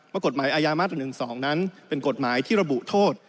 กฎหมายอาญามาตรา๑๒นั้นเป็นกฎหมายที่ระบุโทษ